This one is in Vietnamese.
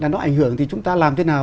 nó ảnh hưởng thì chúng ta làm thế nào